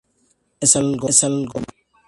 Es algo más!